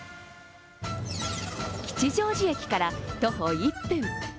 吉祥寺駅から徒歩１分。